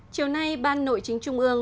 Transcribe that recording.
chiều nay ban nội chính trung ương